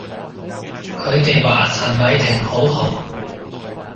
佢哋話陳偉霆好紅